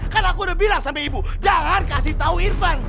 kan aku udah bilang sama ibu jangan kasih tahu irfan